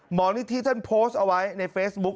นิธิท่านโพสต์เอาไว้ในเฟซบุ๊ค